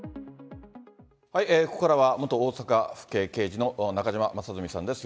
ここからは元大阪府警刑事の中島正純さんです。